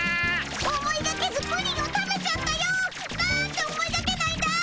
思いがけずプリンを食べちゃったよ。なんて思いがけないんだい。